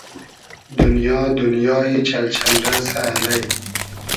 دونیا دونیای چئل چئمرئسۂ الݷ